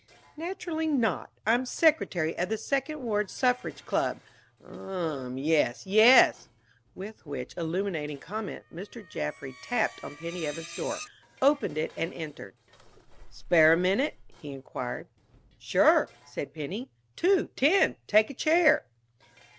"Naturally not. I'm secretary of the Second Ward Suffrage Club." "Umm! Yes, yes!" With which illuminating comment, Mr. Jaffry tapped on Penny Evans' door, opened it and entered. "Spare a minute?" he inquired. "Sure," said Penny; "two, ten! Take a chair."